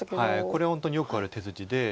これは本当によくある手筋で。